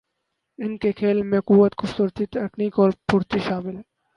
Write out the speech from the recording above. ان کے کھیل میں قوت، خوبصورتی ، تکنیک اور پھرتی شامل ہے